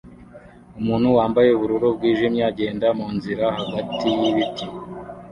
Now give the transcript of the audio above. Umuntu wambaye ubururu bwijimye agenda munzira hagati yibiti